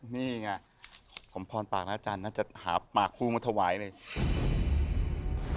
นี่ไงผมพรปากนักอาจารย์น่าจะหาปากครูมาสาวัย